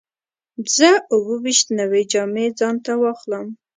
زه اووه ویشت نوې جامې ځان ته واخلم.